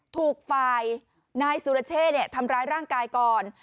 ถูกฝ่ายนายสุรเชษทำร้ายร่างกายก่อน